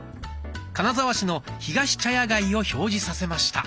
金沢市のひがし茶屋街を表示させました。